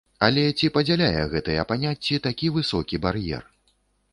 Але ці падзяляе гэтыя паняцці такі высокі бар'ер?